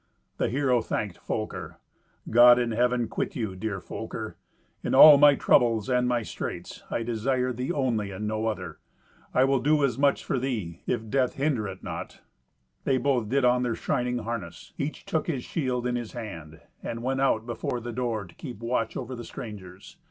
The hero thanked Folker, "God in Heaven quit you, dear Folker. In all my troubles and my straits I desire thee only and no other. I will do as much for thee, if death hinder it not." They both did on their shining harness. Each took his shield in his hand, and went out before the door to keep watch over the strangers.